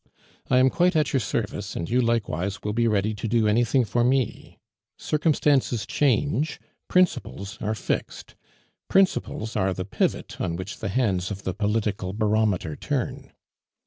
I am quite at your service, and you likewise will be ready to do anything for me. Circumstances change; principles are fixed. Principles are the pivot on which the hands of the political barometer turn."